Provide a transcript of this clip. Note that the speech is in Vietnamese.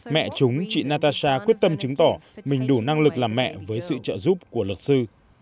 mẹ chúng chị natasa quyết tâm chứng tỏ mình đủ năng lực làm mẹ với sự trợ giúp của luật sư